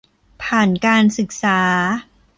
ผ่านการศึกษา